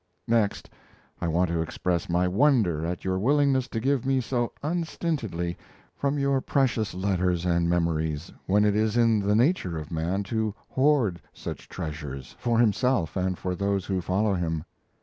Next, I want to express my wonder at your willingness to give me so unstintedly from your precious letters and memories, when it is in the nature of man to hoard such treasures, for himself and for those who follow him.